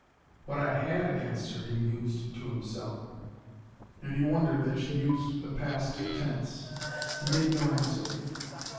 "What I HAD against her," he mused to himself: and he wondered that she used the past tense. He made no answer.